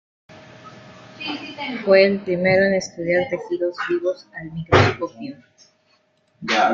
Fue el primero en estudiar tejidos vivos al microscopio.